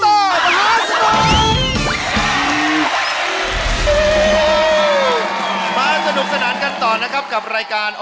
ที่มหาสนุกสนานกันต่อครับกับรายการ